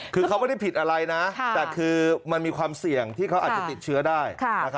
คือเขาไม่ได้ผิดอะไรนะแต่คือมันมีความเสี่ยงที่เขาอาจจะติดเชื้อได้